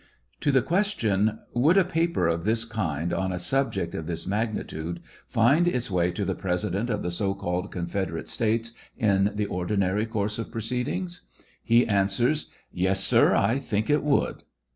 To the question — Would a paper of this kind, on a subject of this magnitude, find its way to the president of the so called confederate Slates in the ordinary course of proceedings ?— He answers, Yes, sir ; I think it would.